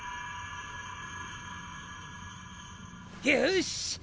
よし！